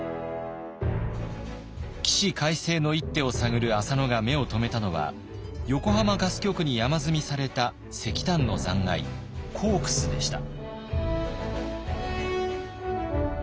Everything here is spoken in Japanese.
起死回生の一手を探る浅野が目を留めたのは横浜瓦斯局に山積みされた石炭の残骸コークスでした。